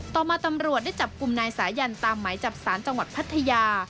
ต่อมาตำรวจได้จับกลุ่มนายสายันตามหมายจับสารจังหวัดพัทยา